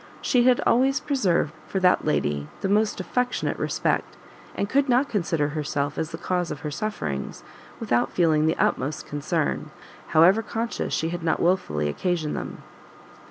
She had always preserved for that lady the most affectionate respect, and could not consider herself as the cause of her sufferings, without feeling the utmost concern, however conscious she had not wilfully occasioned them.